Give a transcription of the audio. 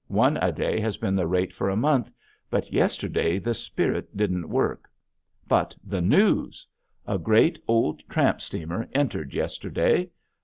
One a day has been the rate for a month but yesterday the spirit didn't work. But the news! A great, old tramp steamer entered yesterday.